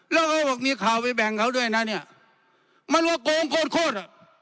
แล้วก็มีข่าวไปแบ่งเข้าด้วยนะเนี่ยหมายถึงโกงโร่โทษ